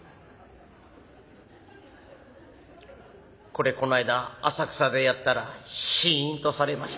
これこの間浅草でやったらシンとされました。